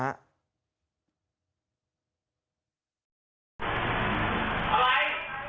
อะไร